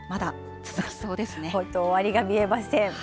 本当、終わりが見えません。